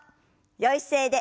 よい姿勢で。